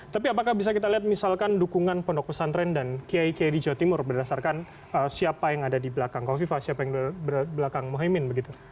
tapi apakah bisa kita lihat misalkan dukungan pondok pesantren dan kiai kiai di jawa timur berdasarkan siapa yang ada di belakang kofifa siapa yang belakang mohaimin begitu